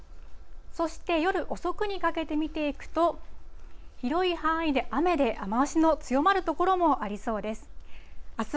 そして夜遅くにかけて見ていくと、広い範囲で雨で、雨足の強まる所もありそうです。